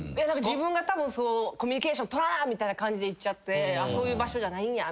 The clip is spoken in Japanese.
自分がそうコミュニケーション取らなみたいな感じでいっちゃってそういう場所じゃないんや。